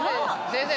先生